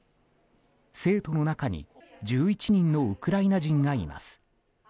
生徒の中に１１人のウクライナ人がいます。